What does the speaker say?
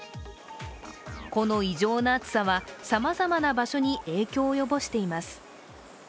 この異常な暑さは、さまざまな場所に影響を及ぼしています。